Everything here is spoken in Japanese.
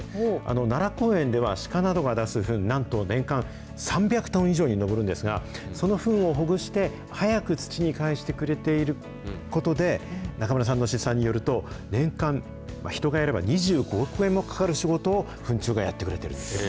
奈良公園では、鹿などが出すフン、なんと年間３００トン以上に上るんですが、そのフンをほぐして、早く土にかえしてくれていることで、中村さんの試算によると、年間、人がやれば２５億円もかかる仕事を、フン虫がやってくれていると。